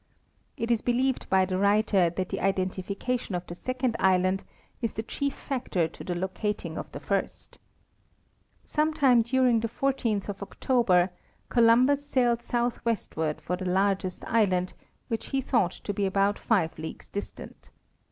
It is believed by the writer that the identification of the second island is the chief factor to the locating of the first. Sometime during the 14th of October, Columbus sailed southwestward for the largest island, " 190 SL W. Redway—The First Landfall of Columbus. which he thought to be about five leagues distant.